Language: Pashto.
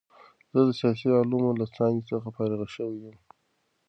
زه د سیاسي علومو له څانګې څخه فارغ شوی یم.